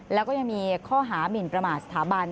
แล้วก็ยังมีข้อหามินประมาทสถาบัน